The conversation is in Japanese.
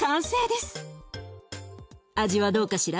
味はどうかしら？